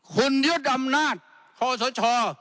คุณยึดอำนาจคอสช